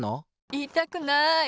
いいたくない。